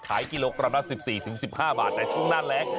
ขายกิโลกรัมนัส๑๔๑๕บาทในช่วงนั้นแหละ